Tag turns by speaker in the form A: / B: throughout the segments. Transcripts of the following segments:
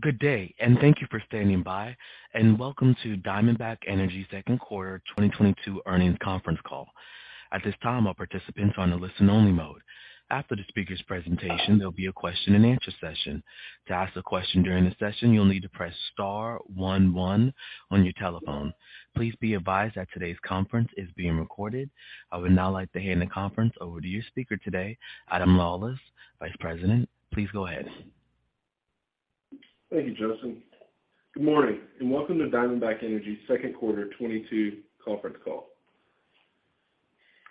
A: Good day, and thank you for standing by, and welcome to Diamondback Energy Q2 2022 Earnings Conference Call. At this time, all participants are on a listen only mode. After the speakers presentation, there'll be a question-and-answer session. To ask a question during the session, you'll need to press star one one on your telephone. Please be advised that today's conference is being recorded. I would now like to hand the conference over to your speaker today, Adam Lawlis, Vice President. Please go ahead.
B: Thank you, Joseph. Good morning and welcome to Diamondback Energy Q2 2022 conference call.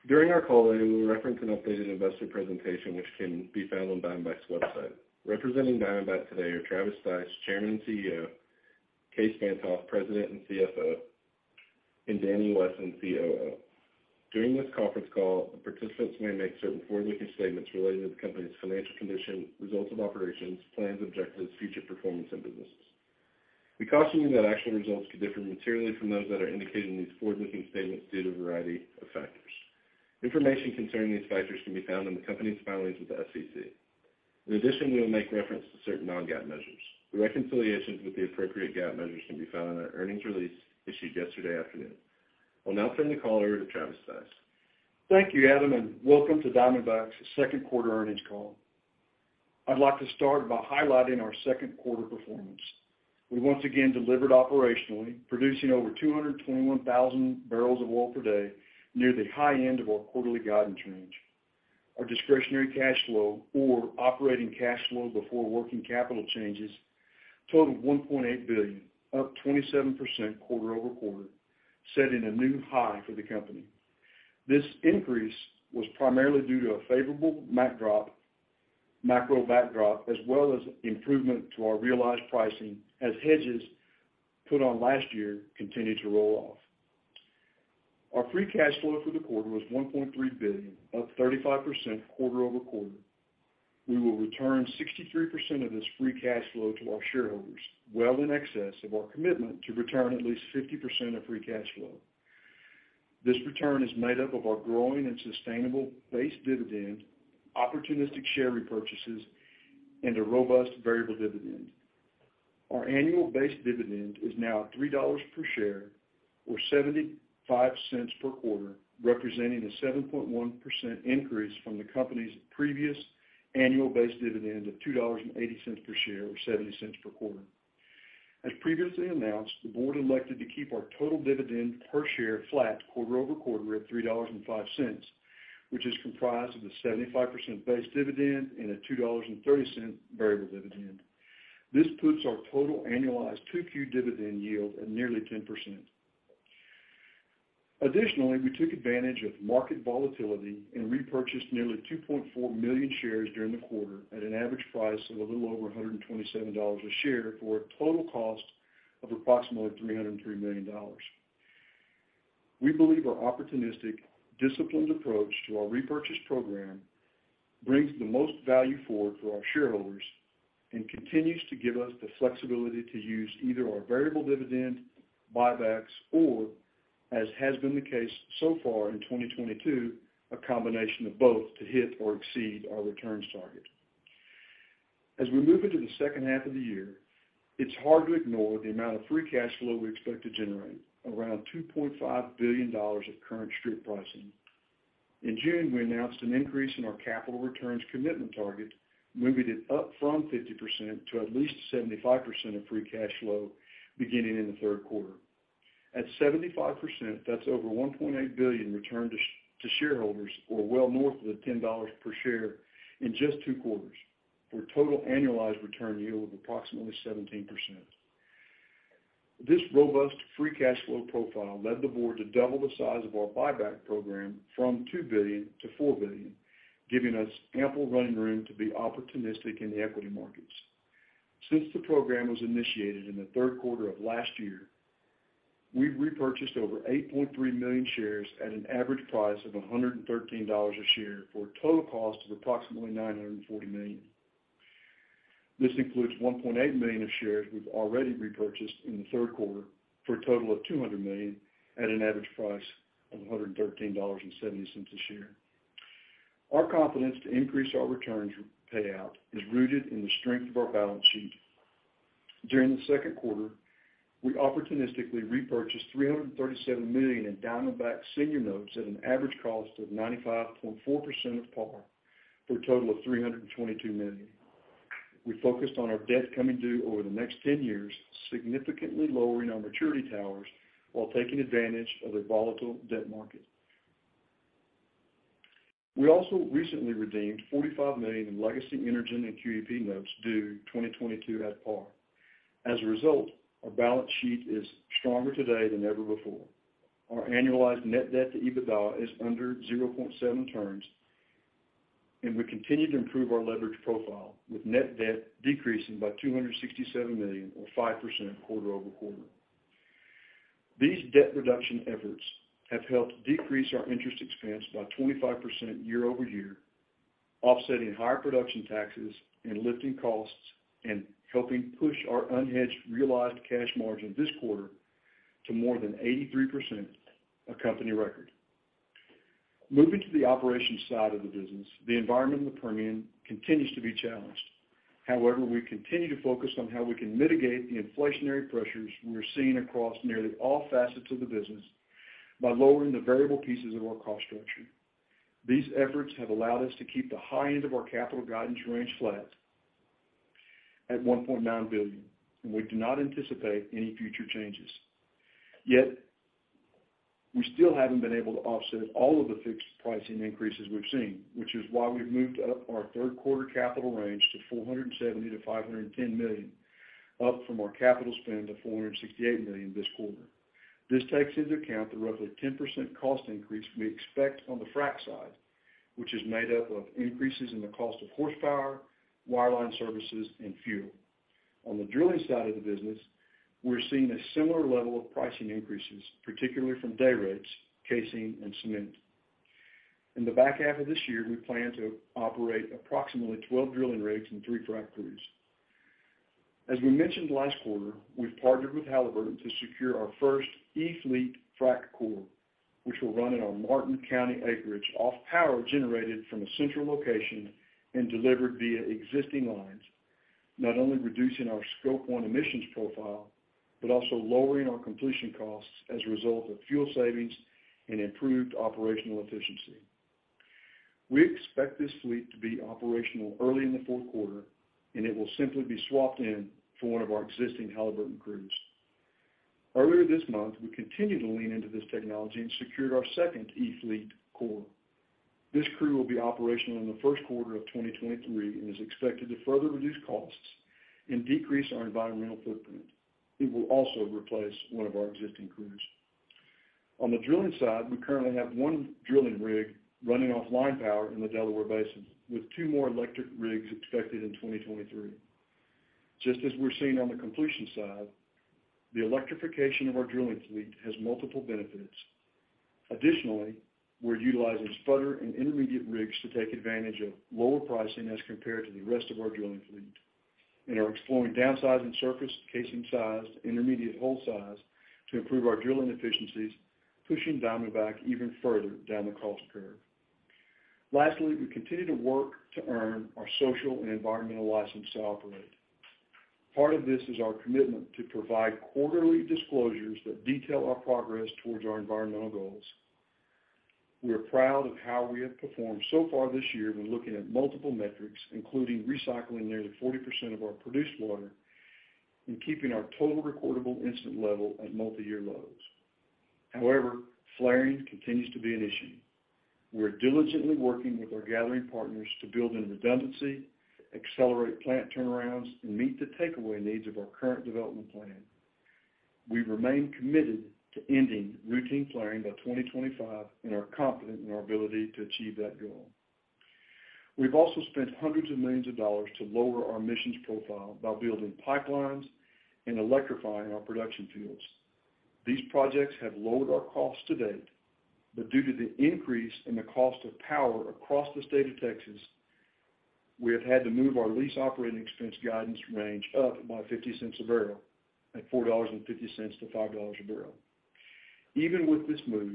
B: During our call today, we'll reference an updated investor presentation which can be found on Diamondback's website. Representing Diamondback today are Travis Stice, Chairman and CEO, Kaes Van't Hof, President and CFO, and Daniel Wesson, COO. During this conference call, the participants may make certain forward-looking statements related to the company's financial condition, results of operations, plans, objectives, future performance and business. We caution you that actual results could differ materially from those that are indicated in these forward-looking statements due to a variety of factors. Information concerning these factors can be found in the company's filings with the SEC. In addition, we will make reference to certain non-GAAP measures. The reconciliations with the appropriate GAAP measures can be found in our earnings release issued yesterday afternoon. I'll now turn the call over to Travis Stice.
C: Thank you, Adam, and welcome to Diamondback's Q2 Earnings Call. I'd like to start by highlighting our Q2 performance. We once again delivered operationally, producing over 221,000 barrels of oil per day, near the high end of our quarterly guidance range. Our discretionary cash flow or operating cash flow before working capital changes totaled $1.8 billion, up 27% quarter-over-quarter, setting a new high for the company. This increase was primarily due to a favorable macro backdrop, as well as improvement to our realized pricing as hedges put on last year continued to roll off. Our free cash flow for the quarter was $1.3 billion, up 35% quarter-over-quarter. We will return 63% of this free cash flow to our shareholders, well in excess of our commitment to return at least 50% of free cash flow. This return is made up of our growing and sustainable base dividend, opportunistic share repurchases, and a robust variable dividend. Our annual base dividend is now $3 per share or $0.75 per quarter, representing a 7.1% increase from the company's previous annual base dividend of $2.80 per share or $0.70 per quarter. As previously announced, the board elected to keep our total dividend per share flat quarter-over-quarter at $3.05, which is comprised of a $0.75 base dividend and a $2.30 variable dividend. This puts our total annualized Q2 dividend yield at nearly 10%. Additionally, we took advantage of market volatility and repurchased nearly 2.4 million shares during the quarter at an average price of a little over $127 a share for a total cost of approximately $303 million. We believe our opportunistic, disciplined approach to our repurchase program brings the most value forward for our shareholders and continues to give us the flexibility to use either our variable dividend, buybacks, or, as has been the case so far in 2022, a combination of both to hit or exceed our returns target. As we move into the H2 of the year, it's hard to ignore the amount of free cash flow we expect to generate, around $2.5 billion at current strip pricing. In June, we announced an increase in our capital returns commitment target, moving it up from 50% to at least 75% of free cash flow beginning in the third quarter. At 75%, that's over $1.8 billion returned to shareholders or well north of the $10 per share in just two quarters for a total annualized return yield of approximately 17%. This robust free cash flow profile led the board to double the size of our buyback program from $2 billion to $4 billion, giving us ample running room to be opportunistic in the equity markets. Since the program was initiated in the third quarter of last year, we've repurchased over 8.3 million shares at an average price of $113 a share for a total cost of approximately $940 million. This includes 1.8 million of shares we've already repurchased in the Q3 for a total of $200 million at an average price of $113.70 a share. Our confidence to increase our returns payout is rooted in the strength of our balance sheet. During the Q2, we opportunistically repurchased $337 million in Diamondback senior notes at an average cost of 95.4% of par for a total of $322 million. We focused on our debt coming due over the next 10 years, significantly lowering our maturity towers while taking advantage of a volatile debt market. We also recently redeemed $45 million in Legacy Energen and QEP notes due 2022 at par. As a result, our balance sheet is stronger today than ever before. Our annualized net debt-to-EBITDA is under 0.7x, and we continue to improve our leverage profile, with net debt decreasing by $267 million or 5% quarter-over-quarter. These debt reduction efforts have helped decrease our interest expense by 25% year-over-year, offsetting higher production taxes and lifting costs and helping push our unhedged realized cash margin this quarter to more than 83%, a company record. Moving to the operations side of the business, the environment in the Permian continues to be challenged. However, we continue to focus on how we can mitigate the inflationary pressures we are seeing across nearly all facets of the business by lowering the variable pieces of our cost structure. These efforts have allowed us to keep the high end of our capital guidance range flat at $1.9 billion, and we do not anticipate any future changes. Yet, we still haven't been able to offset all of the fixed pricing increases we've seen, which is why we've moved up our Q3 capital range to $470 million-$510 million, up from our capital spend of $468 million this quarter. This reflect an expected ~10% cost increase we expect on the frack side, which is made up of increases in the cost of horsepower, wireline services, and fuel. On the drilling side of the business, we're seeing a similar level of pricing increases, particularly from day rates, casing, and cement. In the back half of this year, we plan to operate ~12 drilling rigs and three frac crews. As we mentioned last quarter, we've partnered with Halliburton to secure our first E-fleet frac crew, which will run in our Martin County acreage off power generated from a central location and delivered via existing lines, not only reducing our scope one emissions profile, but also lowering our completion costs as a result of fuel savings and improved operational efficiency. We expect this fleet to be operational early in the Q4, and it will simply be swapped in for one of our existing Halliburton crews. Earlier this month, we continued to lean into this technology and secured our second E-fleet crew. This crew will be operational in the Q1 2023 and is expected to further reduce costs and decrease our environmental footprint. It will also replace one of our existing crews. On the drilling side, we currently have one drilling rig running off line power in the Delaware Basin, with two more electric rigs expected in 2023. Just as we're seeing on the completion side, the electrification of our drilling fleet has multiple benefits. Additionally, we're utilizing spudder and intermediate rigs to take advantage of lower pricing as compared to the rest of our drilling fleet and are exploring downsizing surface casing size, intermediate hole size to improve our drilling efficiencies, pushing Diamondback even further down the cost curve. Lastly, we continue to work to earn our social and environmental license to operate. Part of this is our commitment to provide quarterly disclosures that detail our progress towards our environmental goals. We are proud of how we have performed so far this year when looking at multiple metrics, including recycling ~40% of our produced water and keeping our total recordable incident level at multi-year lows. However, flaring continues to be an issue. We're diligently working with our gathering partners to build in redundancy, accelerate plant turnarounds, and meet the takeaway needs of our current development plan. We remain committed to ending routine flaring by 2025 and are confident in our ability to achieve that goal. We've also spent hundreds of millions of dollars to lower our emissions profile by building pipelines and electrifying our production fields. These projects have lowered our costs to date, but due to the increase in the cost of power across the state of Texas, we have had to move our lease operating expense guidance range up by $.50 per barrel to $4.50-$5 per barrel. Even with this move,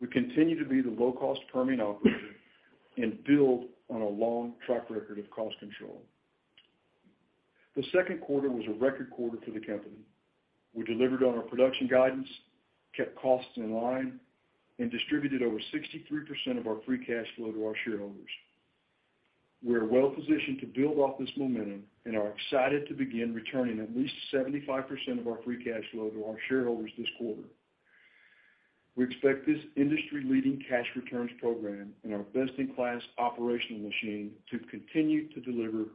C: we continue to be the low-cost Permian operator and build on a long track record of cost control. The Q2 was a record quarter for the company. We delivered on our production guidance, kept costs in line, and distributed over 63% of our free cash flow to our shareholders. We are well positioned to build off this momentum and are excited to begin returning at least 75% of our free cash flow to our shareholders this quarter. We expect this industry-leading cash returns program and our best-in-class operational machine to continue to deliver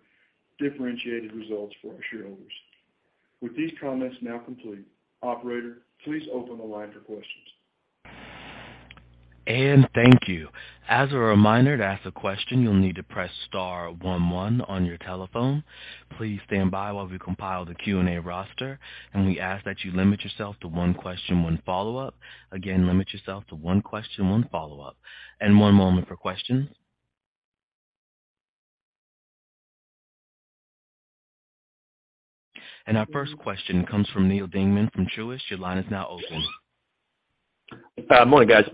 C: differentiated results for our shareholders. With these comments now complete, operator, please open the line for questions.
A: Thank you. As a reminder, to ask a question, you'll need to press star one one on your telephone. Please stand by while we compile the Q&A roster, and we ask that you limit yourself to one question, one follow-up. Again, limit yourself to one question, one follow-up. One moment for questions. Our first question comes from Neal Dingmann from Truist. Your line is now open.
D: Morning, guys.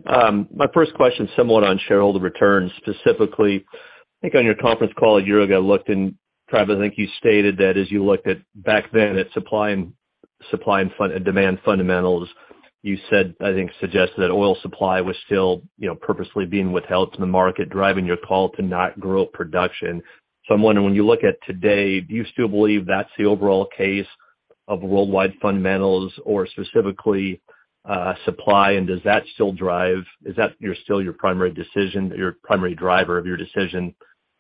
D: My first question is similar on shareholder returns. Specifically, I think on your conference call a year ago, looked and tried to think you stated that as you looked at back then at supply and demand fundamentals, you said, I think suggested that oil supply was still, you know, purposely being withheld to the market, driving your call to not grow production. I'm wondering, when you look at today, do you still believe that's the overall case of worldwide fundamentals or specifically, supply and does that still drive? Is that still your primary decision, your primary driver of your decision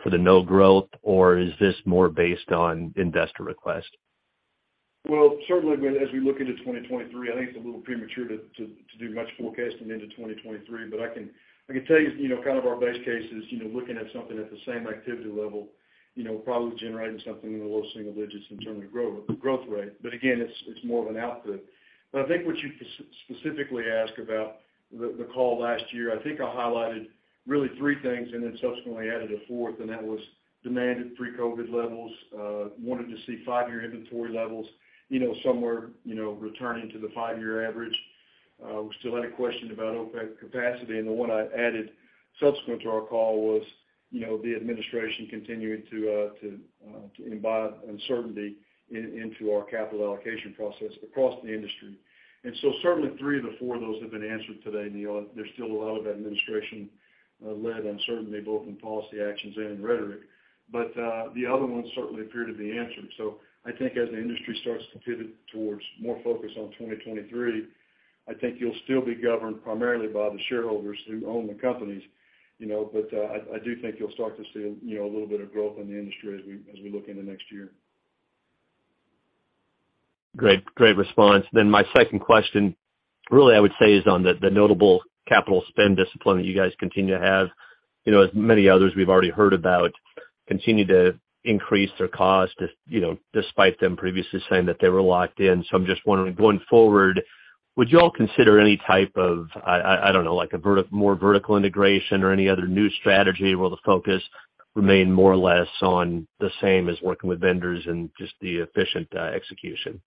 D: for the no growth, or is this more based on investor request?
C: Well, certainly as we look into 2023, I think it's a little premature to do much forecasting into 2023, but I can tell you know, kind of our base case is, you know, looking at something at the same activity level, you know, probably generating something in the low single digits in terms of growth rate. Again, it's more of an output. I think what you specifically asked about the call last year, I think I highlighted really three things and then subsequently added a fourth, and that was demand at pre-COVID-19 levels, wanted to see five-year inventory levels, returning to the five-year average. We still had a question about OPEC capacity, and the one I added subsequent to our call was, you know, the administration continuing to impose uncertainty into our capital allocation process across the industry. Certainly three of the four of those have been answered today, Neil. There's still a lot of administration led uncertainty, both in policy actions and in rhetoric. The other ones certainly appear to be answered. I think as the industry starts to pivot towards more focus on 2023, I think you'll still be governed primarily by the shareholders who own the companies, you know, but I do think you'll start to see, you know, a little bit of growth in the industry as we look into next year.
D: Great response. My second question really I would say is on the notable capital spend discipline that you guys continue to have. You know, as many others we've already heard about continue to increase their cost, you know, despite them previously saying that they were locked in. I'm just wondering, going forward, would you all consider any type of, I don't know, like a more vertical integration or any other new strategy, will the focus remain more or less on the same as working with vendors and just the efficient execution?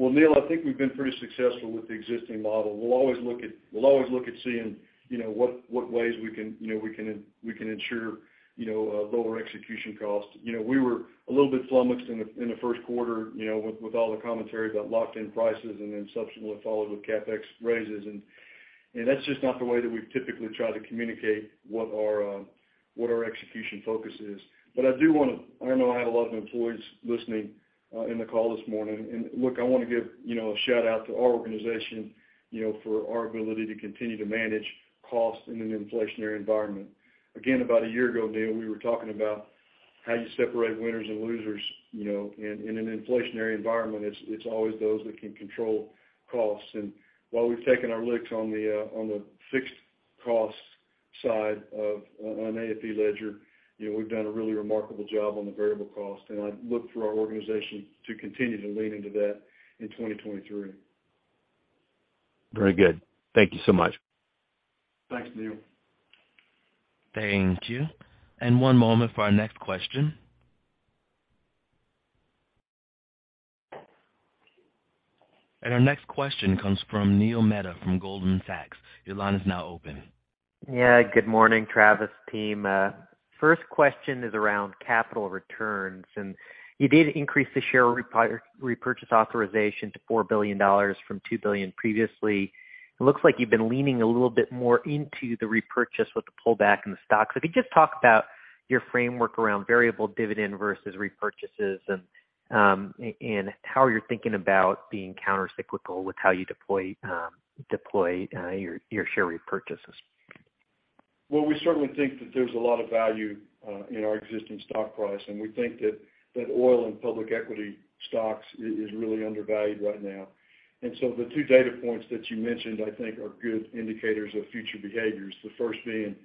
C: Well, Neal, I think we've been pretty successful with the existing model. We'll always look at seeing what ways we can ensure lower execution costs. You know, we were a little bit flummoxed in the first quarter, you know, with all the commentary about locked in prices and then subsequently followed with CapEx raises. That's just not the way that we've typically tried to communicate what our execution focus is. I do wanna. I know I have a lot of employees listening in the call this morning. Look, I wanna give, you know, a shout-out to our organization, you know, for our ability to continue to manage costs in an inflationary environment. Again, about a year ago, Neal, we were talking about how you separate winners and losers, you know. In an inflationary environment, it's always those that can control costs. While we've taken our licks on the fixed cost side of the AFE ledger, you know, we've done a really remarkable job on the variable cost. I look for our organization to continue to lean into that in 2023.
D: Very good. Thank you so much.
C: Thanks, Neal.
A: Thank you. One moment for our next question. Our next question comes from Neil Mehta from Goldman Sachs. Your line is now open.
E: Yeah. Good morning, Travis team. First question is around capital returns, and you did increase the share repurchase authorization to $4 billion from $2 billion previously. It looks like you've been leaning a little bit more into the repurchase with the pullback in the stocks. If you could just talk about your framework around variable dividend versus repurchases and how you're thinking about being countercyclical with how you deploy your share repurchases.
C: Well, we certainly think that there's a lot of value in our existing stock price, and we think that oil and public equity stocks is really undervalued right now. The two data points that you mentioned I think are good indicators of future behaviors. The first being,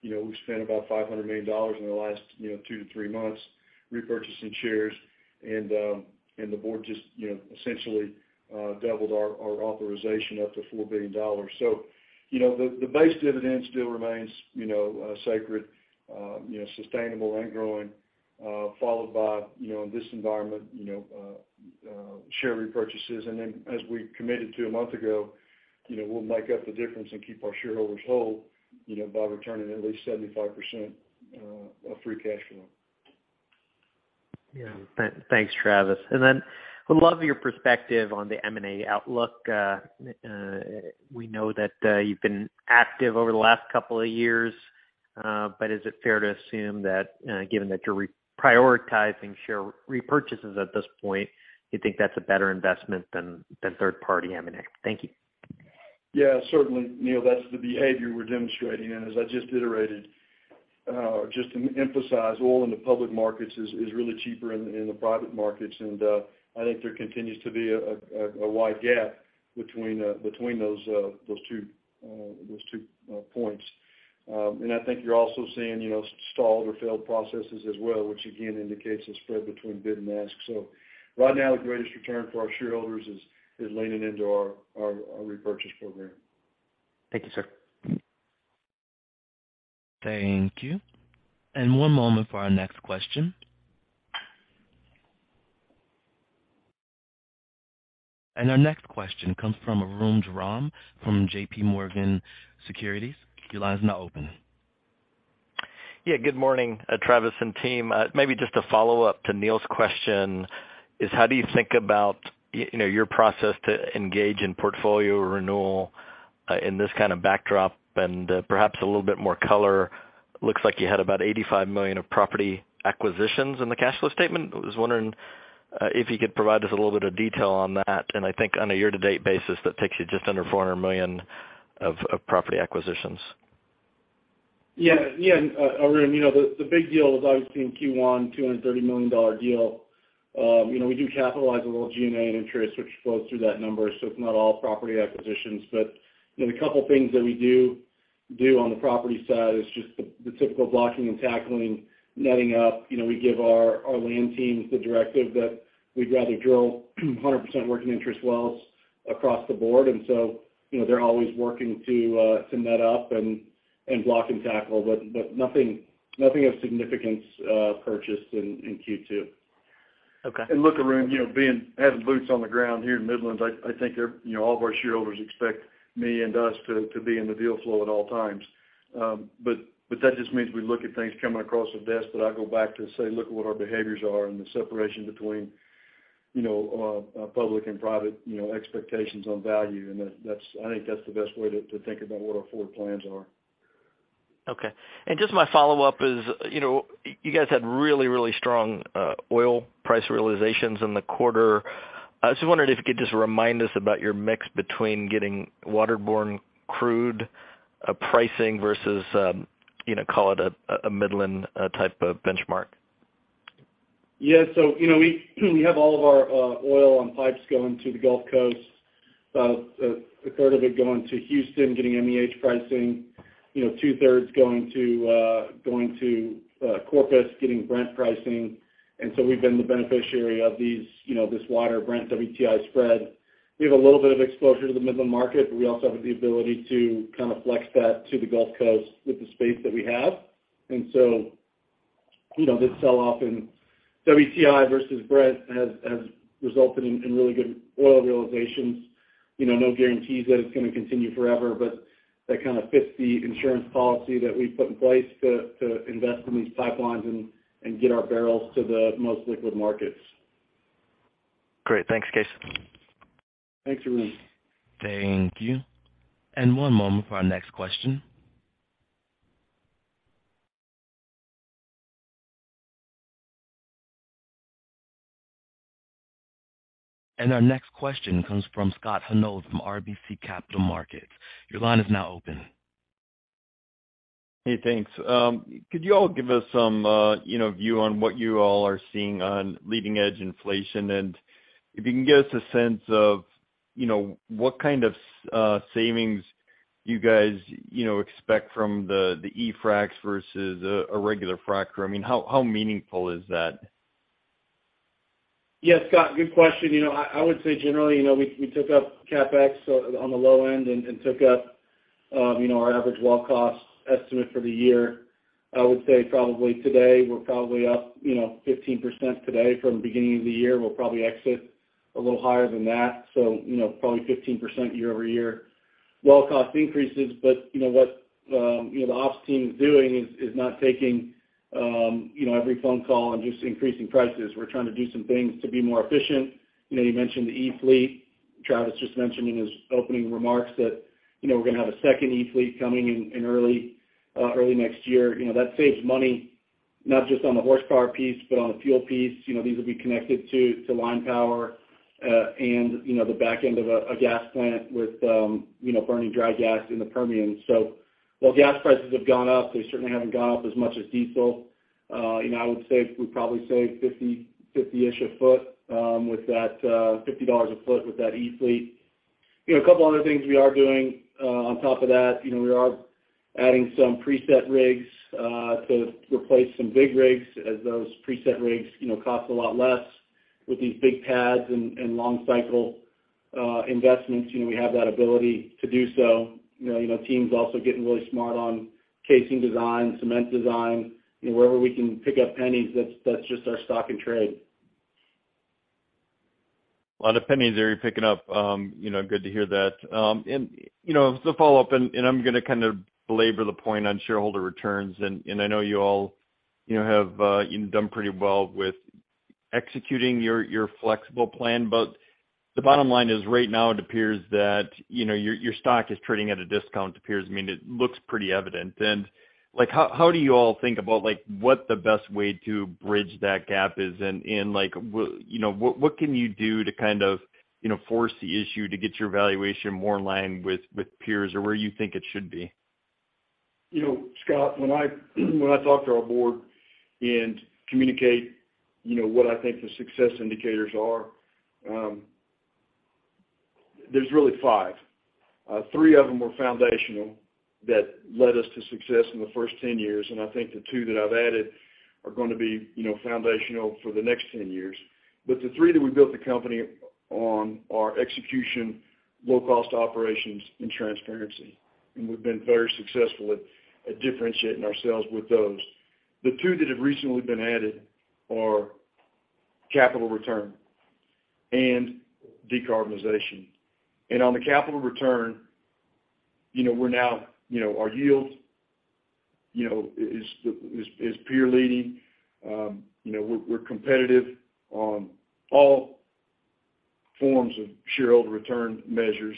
C: you know, we've spent about $500 million in the last, you know, two to three months repurchasing shares. The board just, you know, essentially doubled our authorization up to $4 billion. The base dividend still remains, you know, sacred, you know, sustainable and growing, followed by, you know, in this environment, you know, share repurchases. As we committed to a month ago, you know, we'll make up the difference and keep our shareholders whole, by returning at least 75% of free cash flow.
E: Yeah. Thanks, Travis. Would love your perspective on the M&A outlook. We know that you've been active over the last couple of years. Is it fair to assume that, given that you're re-prioritizing share repurchases at this point, you think that's a better investment than third party M&A? Thank you.
C: Yeah, certainly, Neil. That's the behavior we're demonstrating. As I just iterated, just to emphasize, oil in the public markets is really cheaper in the private markets. I think there continues to be a wide gap between those two points. I think you're also seeing, you know, stalled or failed processes as well, which again indicates a spread between bid and ask. Right now, the greatest return for our shareholders is leaning into our repurchase program.
E: Thank you, sir.
A: Thank you. One moment for our next question. Our next question comes from Arun Jayaram from J.P. Morgan Securities. Your line is now open.
F: Yeah. Good morning, Travis and team. Maybe just a follow-up to Neal's question is, how do you think about you know, your process to engage in portfolio renewal, in this kind of backdrop and, perhaps a little bit more color? Looks like you had about $85 million of property acquisitions in the cash flow statement. I was wondering, if you could provide us a little bit of detail on that. I think on a year to date basis, that takes you just under $400 million of property acquisitions.
C: Arun, you know, the big deal was obviously in Q1, $230 million deal. You know, we do capitalize a little G&A and interest, which flows through that number. It's not all property acquisitions. You know, the couple things that we do on the property side is just the typical blocking and tackling, netting up. You know, we give our land teams the directive that we'd rather drill 100% working interest wells across the board. You know, they're always working to net up and block and tackle. Nothing of significance purchased in Q2.
G: Look, Arun, you know, having boots on the ground here in Midland, I think there, you know, all of our shareholders expect me and us to be in the deal flow at all times. But that just means we look at things coming across the desk that I go back to and say, "Look at what our behaviors are," and the separation between, you know, public and private, you know, expectations on value. That's, I think, the best way to think about what our forward plans are.
F: Okay. Just my follow-up is, you know, you guys had really strong oil price realizations in the quarter. I was just wondering if you could just remind us about your mix between getting waterborne crude pricing versus, you know, call it a Midland type of benchmark?
G: Yeah. We have all of our oil on pipes going to the Gulf Coast, about a third of it going to Houston, getting MEH pricing, two-thirds going to Corpus, getting Brent pricing. We've been the beneficiary of these, you know, this wide Brent WTI spread. We have a little bit of exposure to the Midland market, but we also have the ability to kind of flex that to the Gulf Coast with the space that we have. This sell-off in WTI versus Brent has resulted in really good oil realizations. You know, no guarantees that it's gonna continue forever, but that kind of fits the insurance policy that we've put in place to invest in these pipelines and get our barrels to the most liquid markets.
F: Great. Thanks, Kaes.
G: Thanks, Arun.
A: Thank you. One moment for our next question. Our next question comes from Scott Hanold from RBC Capital Markets. Your line is now open.
H: Hey, thanks. Could you all give us some, you know, view on what you all are seeing on leading edge inflation? If you can give us a sense of, what kind of, savings you guys, expect from the E-fracs versus a regular fracker. I mean, how meaningful is that?
G: Yeah, Scott, good question. You know, I would say generally, you know, we took up CapEx on the low end and took up, you know, our average well cost estimate for the year. I would say probably today we're probably up, you know, 15% today from beginning of the year. We'll probably exit a little higher than that, so, you know, probably 15% year-over-year well cost increases. But, you know, what, you know, the ops team is doing is not taking, you know, every phone call and just increasing prices. We're trying to do some things to be more efficient. You know, you mentioned the E-fleet. Travis just mentioned in his opening remarks that, you know, we're gonna have a second E-fleet coming in early next year. You know, that saves money, not just on the horsepower piece, but on the fuel piece. You know, these will be connected to line power, and, you know, the back end of a gas plant with, you know, burning dry gas in the Permian. While gas prices have gone up, they certainly haven't gone up as much as diesel. You know, I would say we probably save $50-ish a foot with that $50 a foot with that E-fleet. You know, a couple other things we are doing on top of that, you know, we are adding some preset rigs to replace some big rigs as those preset rigs, you know, cost a lot less with these big pads and long cycle investments. You know, we have that ability to do so. Our team is also getting really smart on casing design, cement design. You know, wherever we can pick up pennies, that's just our stock and trade.
H: A lot of pennies there, you're picking up. You know, good to hear that. Follow up, and I'm gonna kind of belabor the point on shareholder returns. I know you all, you know, have, you know, done pretty well with executing your flexible plan. But the bottom line is right now it appears that your stock is trading at a discount. I mean, it looks pretty evident. Like, how do you all think about like, what the best way to bridge that gap is? Like, you know, what can you do to kind of, you know, force the issue to get your valuation more in line with peers or where you think it should be?
G: You know, Scott, when I talk to our board and communicate, you know, what I think the success indicators are, there's really five. Three of them were foundational that led us to success in the first 10 years, and I think the two that I've added are gonna be, you know, foundational for the next 10 years. The three that we built the company on are execution, low-cost operations, and transparency. We've been very successful at differentiating ourselves with those. The two that have recently been added are capital return and decarbonization. On the capital return, you know, we're now, you know, our yield, you know, is peer leading. You know, we're competitive on all forms of shareholder return measures.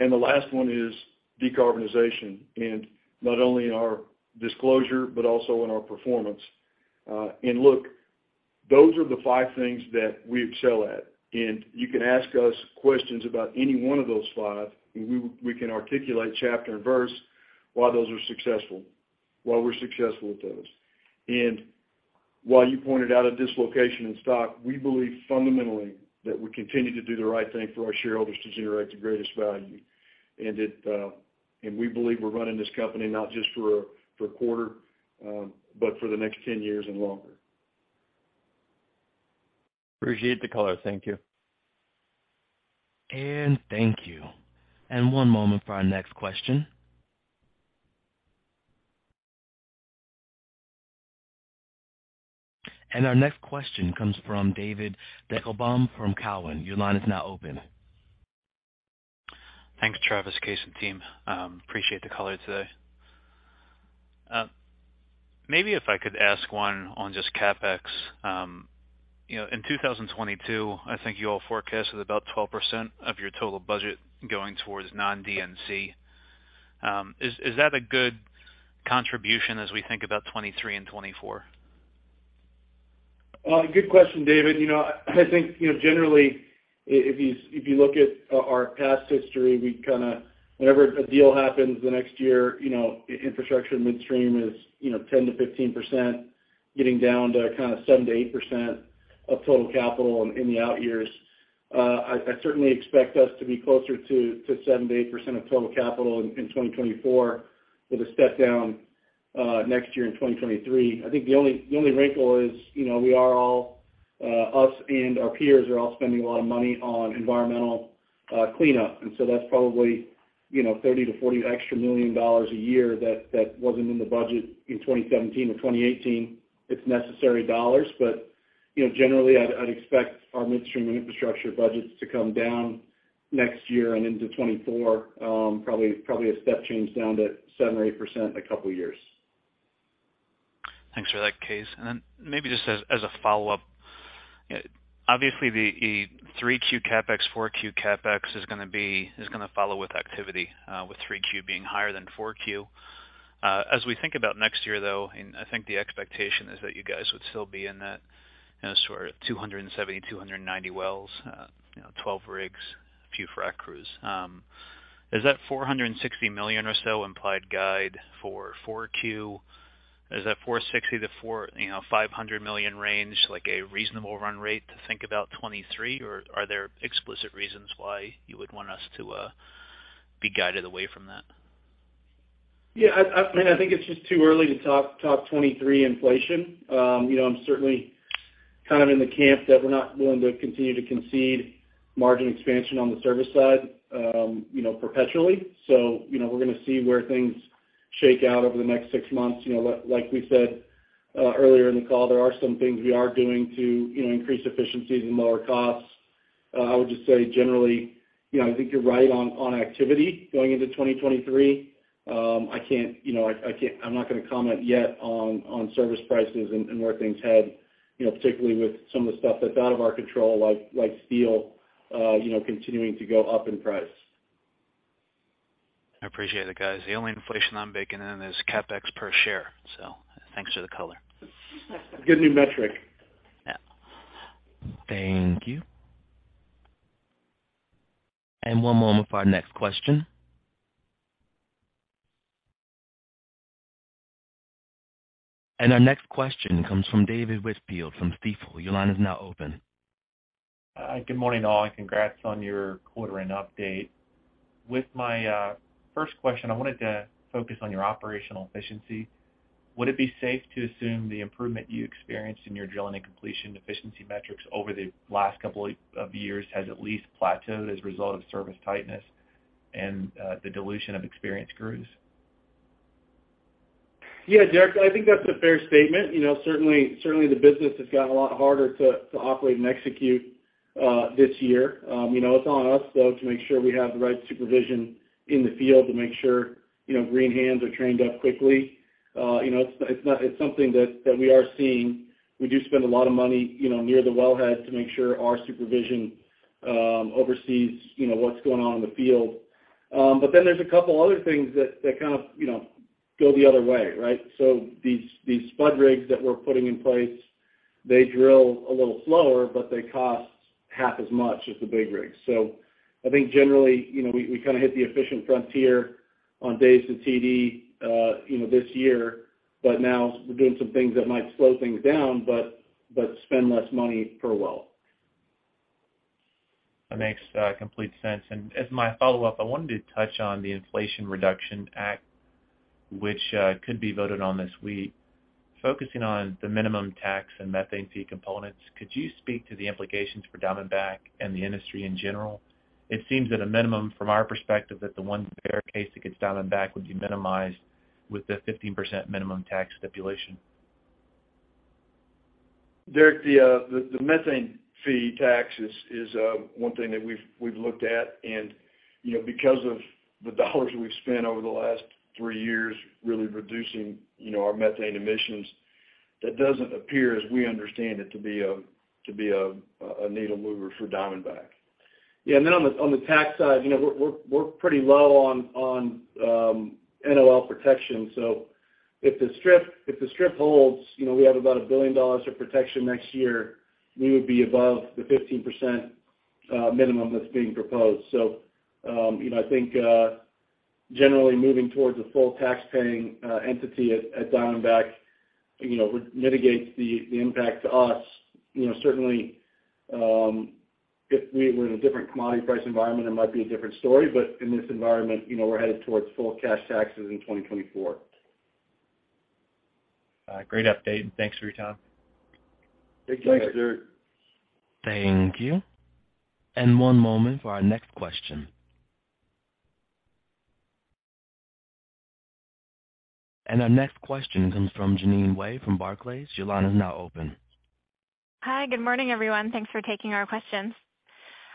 G: The last one is decarbonization, and not only in our disclosure but also in our performance. Look, those are the five things that we excel at. You can ask us questions about any one of those five, and we can articulate chapter and verse why those are successful, why we're successful with those. While you pointed out a dislocation in stock, we believe fundamentally that we continue to do the right thing for our shareholders to generate the greatest value. We believe we're running this company not just for a quarter, but for the next 10 years and longer.
H: Appreciate the color. Thank you.
A: Thank you. One moment for our next question. Our next question comes from David Deckelbaum from Cowen. Your line is now open.
I: Thanks, Travis, Kaes, and team. Appreciate the color today. Maybe if I could ask one on just CapEx. In 2022, I think you all forecasted about 12% of your total budget going towards non-D&C. Is that a good contribution as we think about 2023 and 2024?
G: Good question, David. You know, I think, you know, generally if you look at our past history, we kinda whenever a deal happens the next year, you know, infrastructure and midstream is, you know, 10%-15% getting down to kinda 7%-8% of total capital in the out years. I certainly expect us to be closer to 7%-8% of total capital in 2024 with a step down next year in 2023. I think the only wrinkle is, you know, we and our peers are all spending a lot of money on environmental cleanup. That's probably, you know, $30 million-$40 million a year that wasn't in the budget in 2017 or 2018. It's necessary dollars. You know, generally, I'd expect our midstream and infrastructure budgets to come down next year and into 2024, probably a step change down to 7% or 8% in a couple years.
I: Thanks for that, Kaes. Maybe just as a follow-up. Obviously, the 3Q CapEx, 4Q CapEx is gonna follow with activity, with 3Q being higher than 4Q. As we think about next year, though, and I think the expectation is that you guys would still be in that, you know, sort of 270-290 wells, you know, ~12 rigs, a few frac crews. Is that ~$460 million or so implied guide for 4Q? Is that 460 to, you know, $500 million range, like a reasonable run rate to think about 2023, or are there explicit reasons why you would want us to be guided away from that?
G: Yeah. I mean, I think it's just too early to talk 2023 inflation. You know, I'm certainly kind of in the camp that we're not willing to continue to concede margin expansion on the service side, you know, perpetually. You know, we're gonna see where things shake out over the next six months. You know, like we said earlier in the call, there are some things we are doing to increase efficiencies and lower costs. I would just say generally, you know, I think you're right on activity going into 2023. I'm not gonna comment yet on service prices and where things head, you know, particularly with some of the stuff that's out of our control, like steel continuing to go up in price.
I: I appreciate it, guys. The only inflation I'm baking in is CapEx per share, so thanks for the color.
G: Good new metric.
I: Yeah.
A: Thank you. One moment for our next question. Our next question comes from Derrick Whitfield from Stifel. Your line is now open.
J: Good morning, all, and congrats on your quarter and update. With my first question, I wanted to focus on your operational efficiency. Would it be safe to assume the improvement you experienced in your drilling and completion efficiency metrics over the last couple of years has at least plateaued as a result of service tightness and the dilution of experienced crews?
G: Yeah, Derek, I think that's a fair statement. You know, certainly the business has gotten a lot harder to operate and execute this year. You know, it's on us, though, to make sure we have the right supervision in the field to make sure, you know, green hands are trained up quickly. You know, it's not. It's something that we are seeing. We do spend a lot of money, you know, near the wellhead to make sure our supervision oversees, you know, what's going on in the field. There's a couple other things that kind of, you know, go the other way, right? These spud rigs that we're putting in place, they drill a little slower, but they cost half as much as the big rigs. I think generally, you know, we kinda hit the efficient frontier on days to TD, you know, this year. Now we're doing some things that might slow things down, but spend less money per well.
J: That makes complete sense. As my follow-up, I wanted to touch on the Inflation Reduction Act, which could be voted on this week. Focusing on the minimum tax and methane fee components, could you speak to the implications for Diamondback and the industry in general? It seems at a minimum from our perspective that the worst case that gets Diamondback would be minimized with the 15% minimum tax stipulation.
A: Derrick, the methane fee tax is one thing that we've looked at. You know, because of the dollars we've spent over the last three years really reducing, you know, our methane emissions, that doesn't appear, as we understand it, to be a needle mover for Diamondback.
G: Yeah. Then on the tax side, you know, we're pretty low on NOL protection. If the strip holds, you know, we have about $1 billion of protection next year. We would be above the 15% minimum that's being proposed. You know, I think generally moving towards a full taxpaying entity at Diamondback, you know, would mitigate the impact to us. You know, certainly, if we were in a different commodity price environment, it might be a different story. In this environment, you know, we're headed towards full cash taxes in 2024.
J: Great update. Thanks for your time.
G: Thanks, Derek.
A: Thank you. One moment for our next question. Our next question comes from Jeanine Wai from Barclays. Your line is now open.
K: Hi, good morning, everyone. Thanks for taking our questions.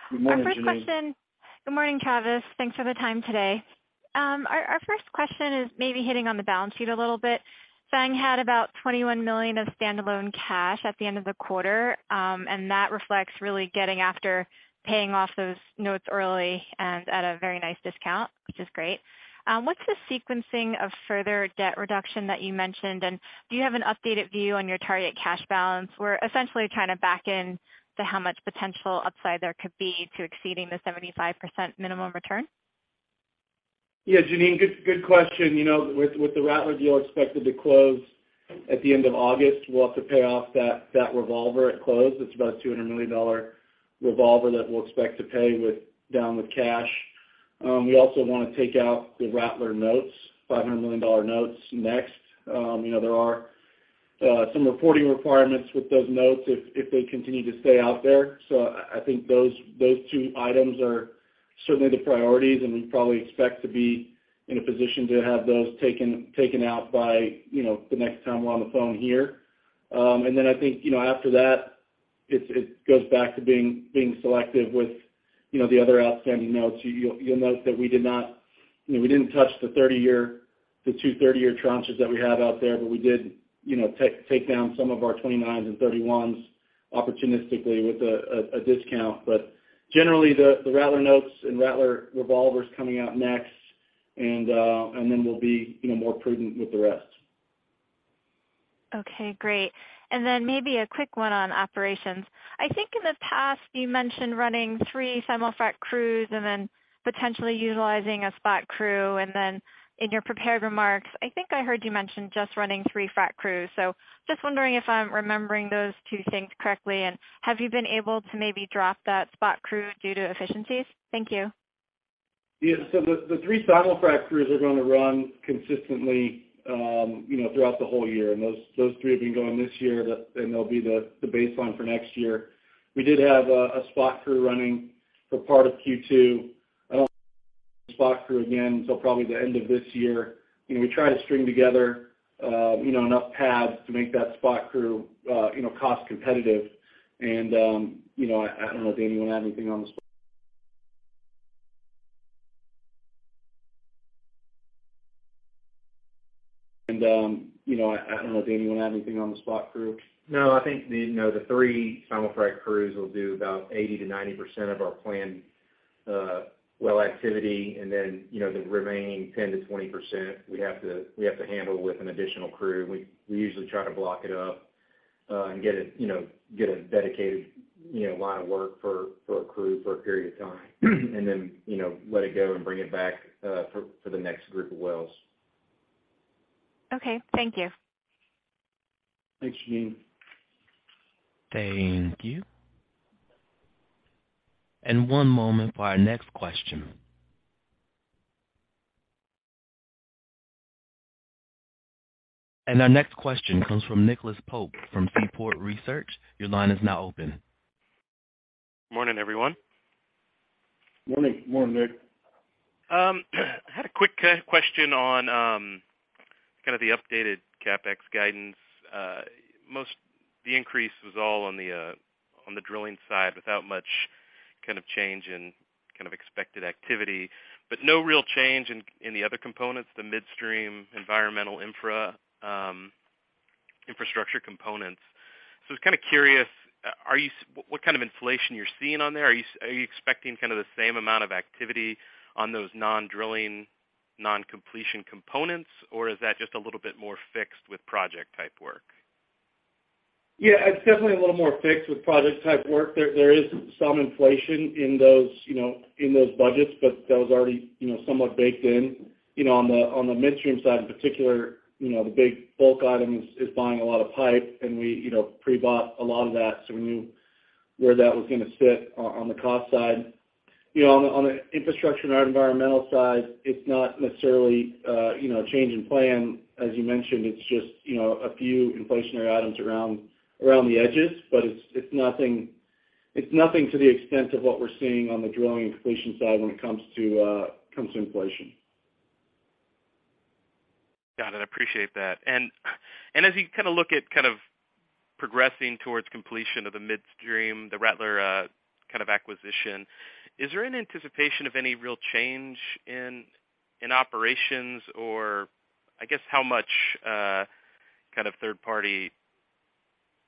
G: Good morning, Jeanine.
K: Our first question. Good morning, Travis. Thanks for the time today. Our first question is maybe hitting on the balance sheet a little bit. FANG had about $21 million of standalone cash at the end of the quarter, and that reflects really getting after paying off those notes early and at a very nice discount, which is great. What's the sequencing of further debt reduction that you mentioned, and do you have an updated view on your target cash balance? We're essentially trying to back in to how much potential upside there could be to exceeding the 75% minimum return.
G: Yeah, Jeanine, good question. You know, with the Rattler deal expected to close at the end of August, we'll have to pay off that revolver at close. It's about $200 million revolver that we'll expect to pay down with cash. We also wanna take out the Rattler notes, $500 million notes next. You know, there are some reporting requirements with those notes if they continue to stay out there. I think those two items are certainly the priorities, and we probably expect to be in a position to have those taken out by, you know, the next time we're on the phone here. Then I think, you know, after that it goes back to being selective with, you know, the other outstanding notes. We do not repurchase the two 30-year tranches, but we did take down some of our 2029 and 2031 opportunistically with a discount. Generally, the Rattler notes and Rattler revolvers coming out next, and then we'll be, you know, more prudent with the rest.
K: Okay, great. Maybe a quick one on operations. I think in the past you mentioned running three simul-frac crews and then potentially utilizing a spot crew. In your prepared remarks, I think I heard you mention just running three frac crews. Just wondering if I'm remembering those two things correctly, and have you been able to maybe drop that spot crew due to efficiencies? Thank you.
G: The three simul-frac crews are gonna run consistently throughout the whole year. Those three have been going this year. They'll be the baseline for next year. We did have a spot crew running for part of Q2. I don't have a spot crew again till probably the end of this year. We try to string together enough pads to make that spot crew cost competitive. I don't know if anyone have anything on the spot crew.
L: No, I think the you know the three simul-frac crews will do about 80%-90% of our planned well activity. Then you know the remaining 10%-20% we have to handle with an additional crew. We usually try to block it up and get it you know get a dedicated you know line of work for a crew for a period of time. You know let it go and bring it back for the next group of wells.
K: Okay, thank you.
G: Thanks, Jeanine.
A: Thank you. One moment for our next question. Our next question comes from Nicholas Pope from Seaport Research. Your line is now open.
M: Morning, everyone.
G: Morning.
L: Morning, Nick.
M: I had a quick question on kind of the updated CapEx guidance. Most of the increase was all on the drilling side without much kind of change in kind of expected activity, but no real change in any other components, the midstream environmental infrastructure components. I was kind of curious what kind of inflation you're seeing on there? Are you expecting kind of the same amount of activity on those non-drilling, non-completion components, or is that just a little bit more fixed with project-type work?
G: Yeah, it's definitely a little more fixed with project-type work. There is some inflation in those, you know, in those budgets, but that was already, you know, somewhat baked in. You know, on the midstream side in particular, you know, the big bulk item is buying a lot of pipe and we, you know, pre-bought a lot of that, so we knew where that was gonna sit on the cost side. You know, on the infrastructure and our environmental side, it's not necessarily, you know, a change in plan. As you mentioned, it's just, you know, a few inflationary items around the edges. But it's nothing to the extent of what we're seeing on the drilling and completion side when it comes to inflation.
M: Got it. Appreciate that. As you kinda look at kind of progressing towards completion of the midstream, the Rattler kind of acquisition, is there an anticipation of any real change in operations? Or I guess how much kind of third party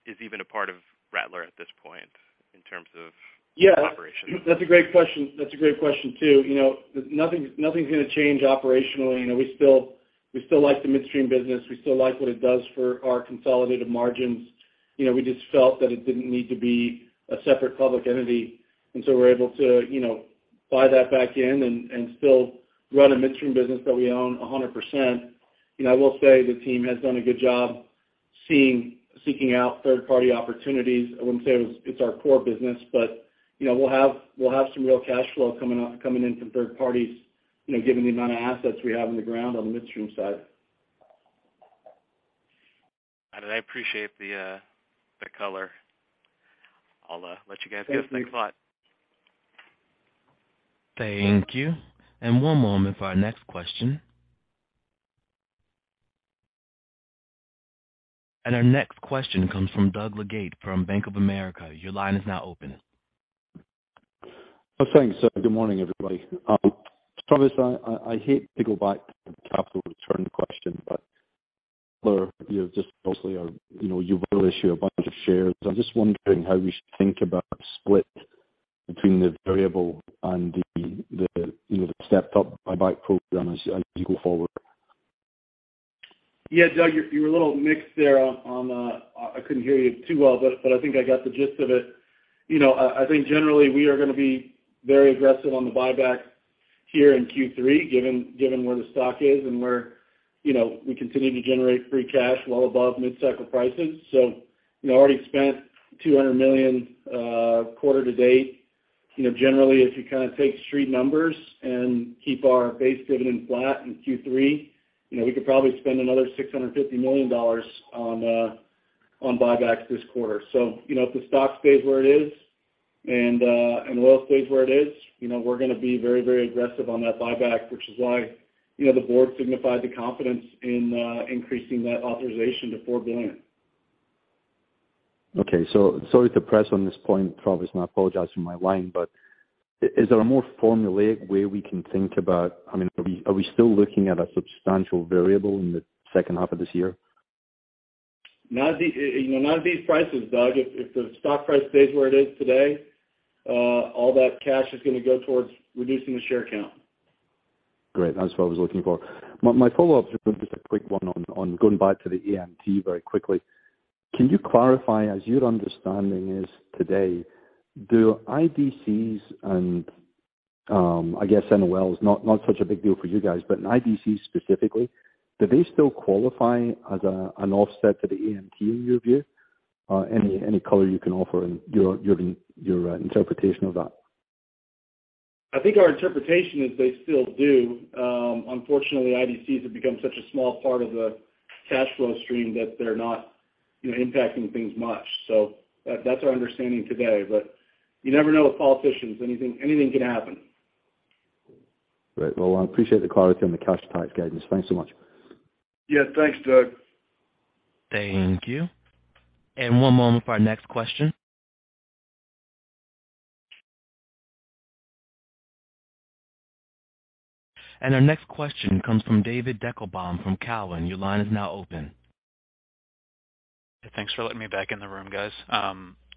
M: is even a part of Rattler at this point in terms of-
G: Yeah.
M: -operation?
G: That's a great question. That's a great question, too. You know, nothing's gonna change operationally. You know, we still like the midstream business. We still like what it does for our consolidated margins. You know, we just felt that it didn't need to be a separate public entity. We're able to, you know, buy that back in and still run a midstream business that we own 100%. You know, I will say the team has done a good job seeking out third party opportunities. I wouldn't say it's our core business, but, you know, we'll have some real cash flow coming in from third parties, you know, given the amount of assets we have on the ground on the midstream side.
I: I appreciate the color. I'll let you guys go. Thanks a lot.
A: Thank you. One moment for our next question. Our next question comes from Doug Leggate from Bank of America. Your line is now open.
N: Oh, thanks. Good morning, everybody. Travis, I hate to go back to the capital return question, but you will issue a bunch of shares. You know, I'm just wondering how we should think about split between the variable and the, you know, the stepped up buyback program as you go forward.
G: Yeah, Doug, you were a little mixed there on. I couldn't hear you too well, but I think I got the gist of it. You know, I think generally we are gonna be very aggressive on the buyback here in Q3, given where the stock is and we're, you know, we continue to generate free cash well above mid-cycle prices. We already spent $200 million quarter to date. You know, generally, if you kind of take street numbers and keep our base dividend flat in Q3, you know, we could probably spend another $650 million on buybacks this quarter. You know, if the stock stays where it is and oil stays where it is, you know, we're gonna be very, very aggressive on that buyback, which is why, you know, the board signified the confidence in increasing that authorization to $4 billion.
N: Okay. Sorry to press on this point, Travis, and I apologize for my line, but is there a more formulaic way we can think about, I mean, are we still looking at a substantial variable in the second half of this year?
G: Not at these prices, you know, Doug. If the stock price stays where it is today, all that cash is gonna go towards reducing the share count.
N: Great. That's what I was looking for. My follow-up is just a quick one on going back to the AMT very quickly. Can you clarify, as your understanding is today, do IDCs and, I guess NOL is not such a big deal for you guys, but an IDC specifically, do they still qualify as an offset to the AMT in your view? Any color you can offer in your interpretation of that?
G: I think our interpretation is they still do. Unfortunately, IDCs have become such a small part of the cash flow stream that they're not, you know, impacting things much. That's our understanding today. You never know with politicians. Anything can happen.
N: Great. Well, I appreciate the clarity on the cash CapEx guidance. Thanks so much.
G: Yeah. Thanks, Doug.
A: Thank you. One moment for our next question. Our next question comes from David Deckelbaum from Cowen. Your line is now open.
I: Thanks for letting me back in the room, guys.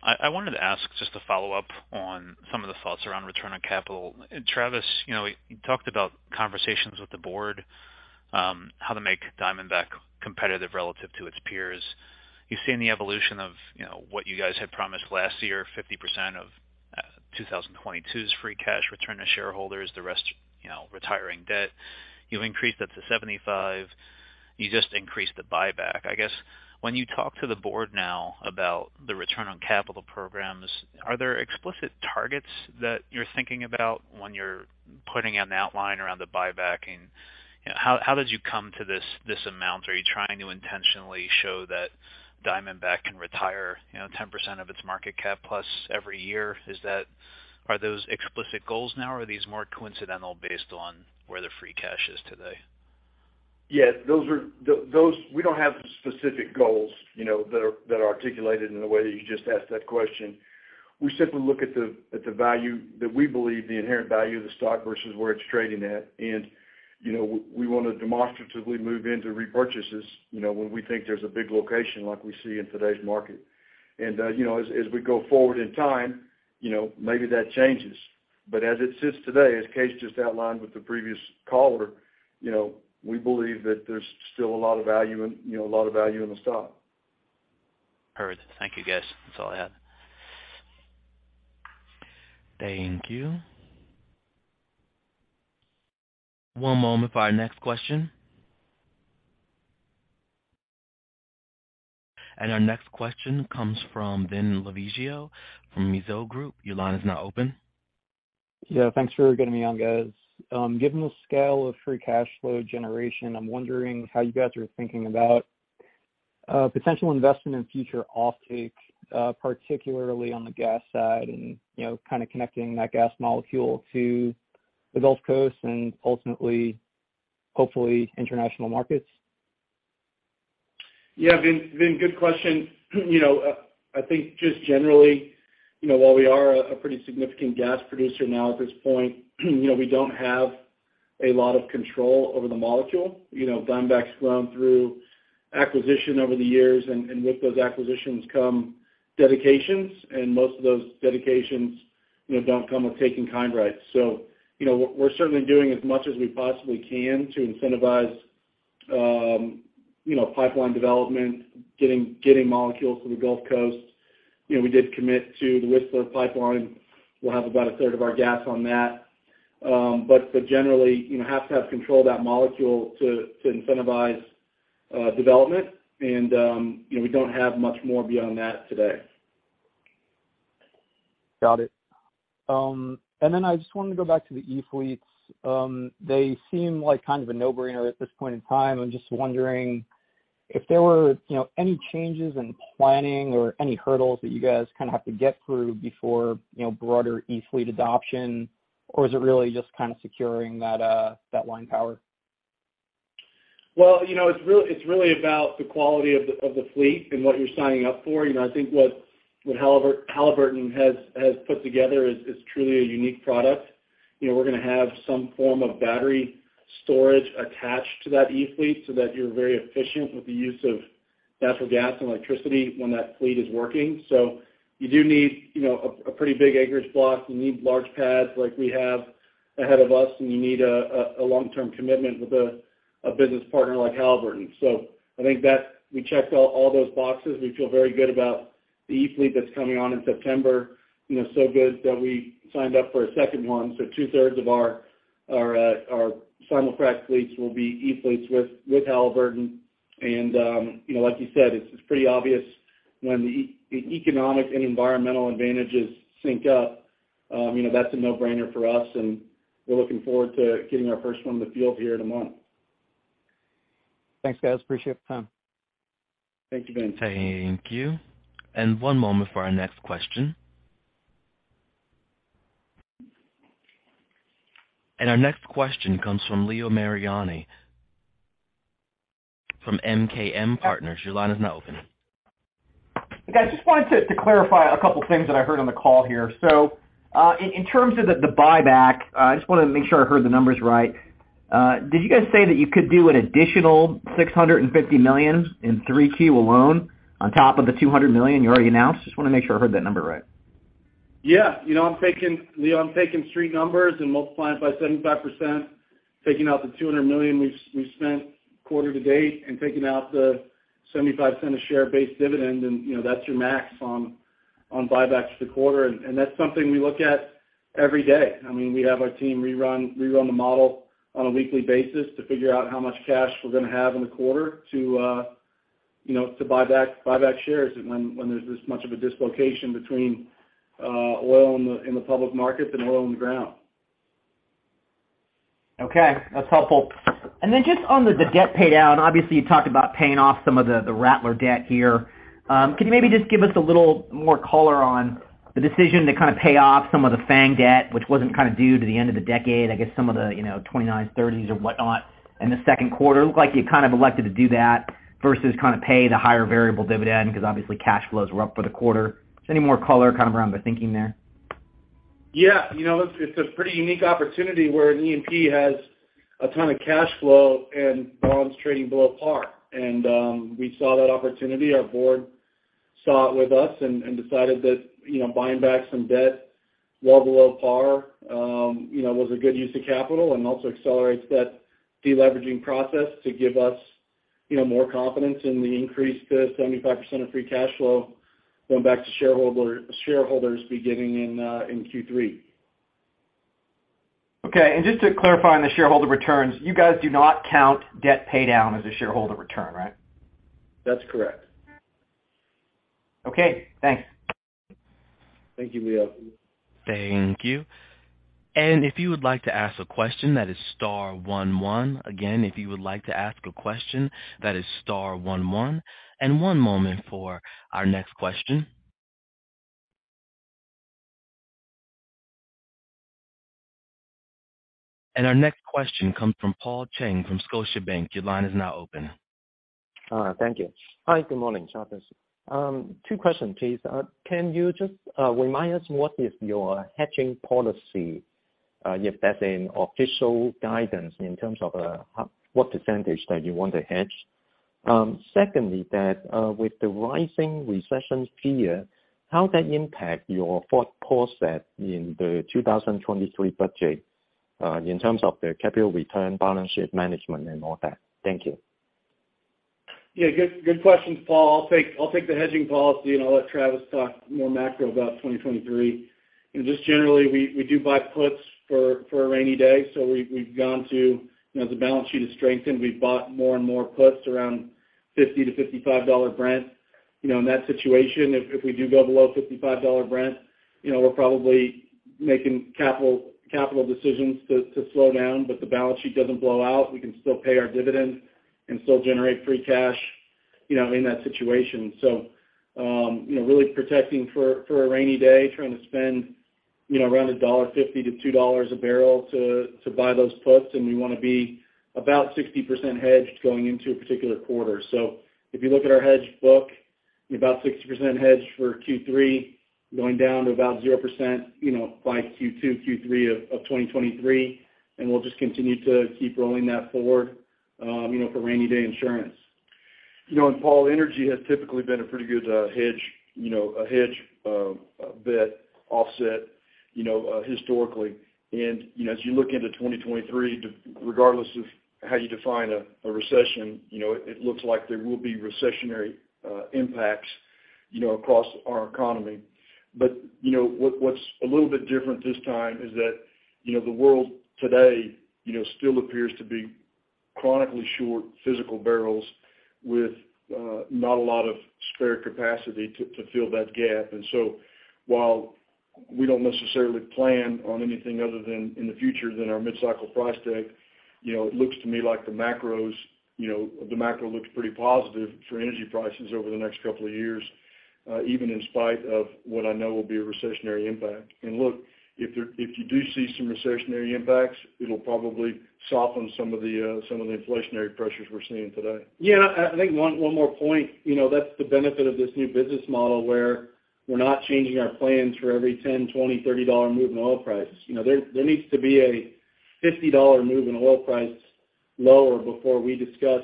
I: I wanted to ask, just to follow up on some of the thoughts around return on capital. Travis, you know, you talked about conversations with the board, how to make Diamondback competitive relative to its peers. You've seen the evolution of, you know, what you guys had promised last year, 50% of 2022's free cash return to shareholders, the rest, you know, retiring debt. You increased that to 75%. You just increased the buyback. I guess, when you talk to the board now about the return on capital programs, are there explicit targets that you're thinking about when you're putting an outline around the buyback? You know, how did you come to this amount? Are you trying to intentionally show that Diamondback can retire, you know, 10% of its market cap plus every year? Is that? Are those explicit goals now, or are these more coincidental based on where the free cash is today?
C: Yeah, those are. We don't have specific goals, you know, that are articulated in the way that you just asked that question. We simply look at the value that we believe the inherent value of the stock versus where it's trading at. You know, we want to demonstratively move into repurchases, you know, when we think there's a big dislocation like we see in today's market. You know, as we go forward in time, you know, maybe that changes. As it sits today, as Kaes just outlined with the previous caller, you know, we believe that there's still a lot of value in, you know, a lot of value in the stock.
I: Perfect. Thank you, guys. That's all I had.
A: Thank you. One moment for our next question. Our next question comes from Vincent Lovaglio from Mizuho Group. Your line is now open.
O: Yeah, thanks for getting me on, guys. Given the scale of free cash flow generation, I'm wondering how you guys are thinking about potential investment in future offtake, particularly on the gas side and, you know, kind of connecting that gas molecule to the Gulf Coast and ultimately, hopefully international markets.
G: Yeah. Vin, good question. You know, I think just generally, you know, while we are a pretty significant gas producer now at this point, you know, we don't have a lot of control over the molecule. You know, Diamondback's grown through acquisition over the years, and with those acquisitions come dedications, and most of those dedications, you know, don't come with take-in-kind rights. You know, we're certainly doing as much as we possibly can to incentivize, you know, pipeline development, getting molecules to the Gulf Coast. You know, we did commit to the Whistler Pipeline. We'll have about a third of our gas on that. But generally, you have to have control of that molecule to incentivize development. You know, we don't have much more beyond that today.
O: Got it. I just wanted to go back to the E-fleets. They seem like kind of a no-brainer at this point in time. I'm just wondering if there were, you know, any changes in planning or any hurdles that you guys kind of have to get through before, you know, broader E-fleet adoption, or is it really just kind of securing that line power?
G: Well, you know, it's really about the quality of the fleet and what you're signing up for. You know, I think what Halliburton has put together is truly a unique product. You know, we're gonna have some form of battery storage attached to that E-fleet so that you're very efficient with the use of natural gas and electricity when that fleet is working. You do need, you know, a pretty big acreage block. You need large pads like we have ahead of us, and you need a long-term commitment with a business partner like Halliburton. I think that we checked all those boxes. We feel very good about the E-fleet that's coming on in September. You know, so good that we signed up for a second one. Two-thirds of our simul-frac fleets will be E-fleets with Halliburton. You know, like you said, it's pretty obvious when the economic and environmental advantages sync up, you know, that's a no-brainer for us, and we're looking forward to getting our first one in the field here in a month.
O: Thanks, guys. Appreciate the time.
G: Thank you, Vince.
A: Thank you. One moment for our next question. Our next question comes from Leo Mariani from MKM Partners. Your line is now open.
P: Hey, guys. Just wanted to clarify a couple things that I heard on the call here. In terms of the buyback, I just wanna make sure I heard the numbers right. Did you guys say that you could do an additional $650 million in Q3 alone on top of the $200 million you already announced? Just wanna make sure I heard that number right.
G: Yeah. You know, I'm taking Leo, street numbers and multiplying it by 75%, taking out the $200 million we've spent quarter to date and taking out the $0.75 per share base dividend and, that's your max on buybacks for the quarter. That's something we look at every day. I mean, we have our team rerun the model on a weekly basis to figure out how much cash we're gonna have in the quarter to buy back shares when there's this much of a dislocation between oil in the public market and oil in the ground.
P: Okay. That's helpful. Just on the debt pay down, obviously you talked about paying off some of the Rattler debt here. Can you maybe just give us a little more color on the decision to kind of pay off some of the FANG debt, which wasn't kind of due until the end of the decade, I guess, some of the, you know, 2029-2030 or whatnot in the Q2? It looked like you kind of elected to do that versus kind of pay the higher variable dividend because obviously cash flows were up for the quarter. Just any more color kind of around the thinking there?
G: Yeah. You know, it's a pretty unique opportunity where an E&P has a ton of cash flow and bonds trading below par. We saw that opportunity. Our board saw it with us and decided that, you know, buying back some debt well below par, was a good use of capital and also accelerates that de-leveraging process to give us, you know, more confidence in the increase to 75% of free cash flow going back to shareholders beginning in Q3.
P: Okay. Just to clarify on the shareholder returns, you guys do not count debt pay down as a shareholder return, right?
G: That's correct.
P: Okay, thanks.
G: Thank you, Leo.
A: Thank you. If you would like to ask a question, that is star one one. Again, if you would like to ask a question, that is star one one. One moment for our next question. Our next question comes from Paul Cheng from Scotiabank. Your line is now open.
Q: Thank you. Hi, good morning, gentlemen. Two questions, please. Can you just remind us what is your hedging policy, if that's an official guidance in terms of what percentage that you want to hedge? Secondly, with the rising recession fear, how that impact your thought process in the 2023 budget, in terms of the capital return, balance sheet management and all that? Thank you.
G: Yeah, good questions, Paul. I'll take the hedging policy and I'll let Travis talk more macro about 2023. You know, just generally, we do buy puts for a rainy day. So we've gone to, you know, as the balance sheet has strengthened, we've bought more and more puts around $50-$55 Brent. You know, in that situation, if we do go below $55 Brent, you know, we're probably making capital decisions to slow down, but the balance sheet doesn't blow out. We can still pay our dividends and still generate free cash, you know, in that situation. You know, really protecting for a rainy day, trying to spend, you know, around $1.50-$2 per barrel to buy those puts, and we wanna be about ~60% hedged going into a particular quarter. If you look at our hedge book, about ~60% hedged for Q3, going down to about 0%, by mid-2023, and we'll just continue to keep rolling that forward, for rainy day insurance.
C: You know, Paul, energy has typically been a pretty good hedge, you know, a better offset historically. You know, as you look into 2023 regardless of how you define a recession, you know, it looks like there will be recessionary impacts, you know, across our economy. You know, what's a little bit different this time is that, you know, the world today, still appears to be chronically short physical barrels with not a lot of spare capacity to fill that gap. While we don't necessarily plan on anything other than, in the future than our mid-cycle price deck, you know, it looks to me like the macros, you know, the macro looks pretty positive for energy prices over the next couple of years, even in spite of what I know will be a recessionary impact. Look, if you do see some recessionary impacts, it'll probably soften some of the inflationary pressures we're seeing today.
G: Yeah. I think one more point, you know, that's the benefit of this new business model where we're not changing our plans for every $10-$30 movements in oil prices. You know, there needs to be a ~$50 move in oil price lower before we discuss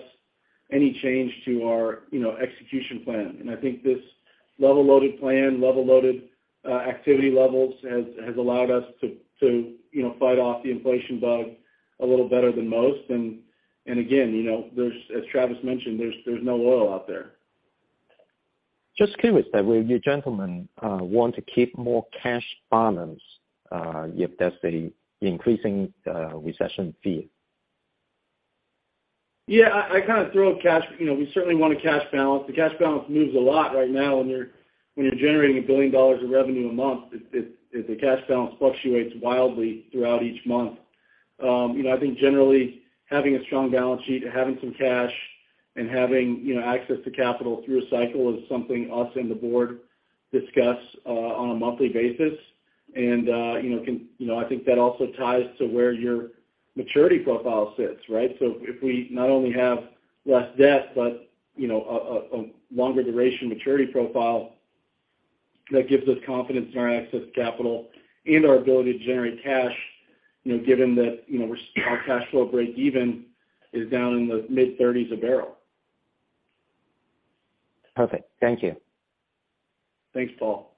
G: any change to our, execution plan. I think this level-loaded plan, level-loaded activity levels has allowed us to, fight off the inflation bug a little better than most. Again, as Travis mentioned, there's no oil out there.
R: Just curious, will you gentlemen want to keep more cash balance if there's an increasing recession fear?
G: Yeah, I kind of throw out cash. You know, we certainly want a cash balance. The cash balance moves a lot right now when you're generating $1 billion of revenue a month. The cash balance fluctuates wildly throughout each month. I think generally having a strong balance sheet and having some cash and, access to capital through a cycle is something us and the board discuss on a monthly basis. I think that also ties to where your maturity profile sits, right? If we not only have less debt but, you know, a longer duration maturity profile, that gives us confidence in our access to capital and our ability to generate cash, given that, our cash flow break even is down in the mid-$30 per barrel.
Q: Perfect. Thank you.
G: Thanks, Paul.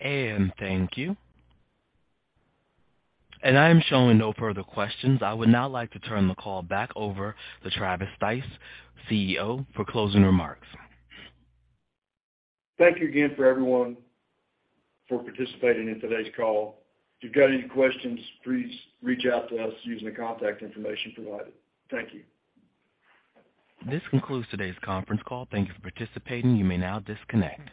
A: Thank you. I am showing no further questions. I would now like to turn the call back over to Travis Stice, CEO, for closing remarks.
C: Thank you again for everyone for participating in today's call. If you've got any questions, please reach out to us using the contact information provided. Thank you.
A: This concludes today's conference call. Thank you for participating. You may now disconnect.